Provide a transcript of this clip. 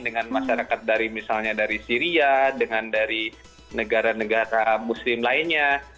dengan masyarakat dari misalnya dari syria dengan dari negara negara muslim lainnya